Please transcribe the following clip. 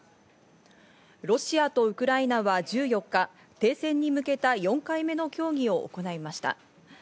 ロシアとウクライナは１４日、停戦に向けた４回目の協議を行いました。